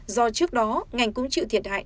do trước đó ngành cũng chịu thiệt hại